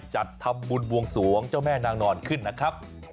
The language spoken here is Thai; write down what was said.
จัดทำบุญบวงสวงเจ้าแม่นางนอนขึ้นนะครับ